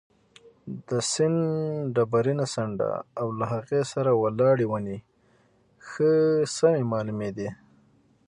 د سیند ډبرینه څنډه او له هغې سره ولاړې ونې ښه سمې معلومېدې.